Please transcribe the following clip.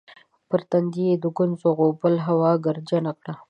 پر تندي یې د ګونځو غوبل هوا ګردجنه کړه